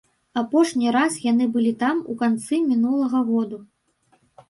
Апошні раз яны былі там у канцы мінулага году.